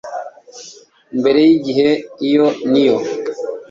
mbere y igihe Iyo ni yo